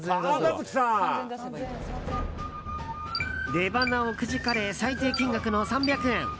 出ばなをくじかれ最低金額の３００円。